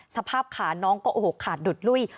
สภาพขาน้องก็โอ้โหขาดดุดลุ้ย